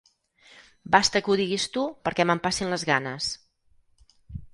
Basta que ho diguis tu perquè me'n passin les ganes.